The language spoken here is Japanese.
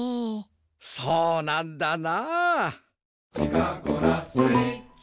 そうなんだな。